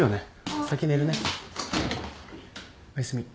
おやすみ。